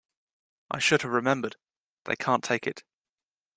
I should have remembered, they can't take it.